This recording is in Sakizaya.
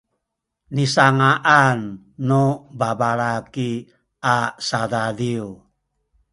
nisanga’an nu babalaki a sadadiw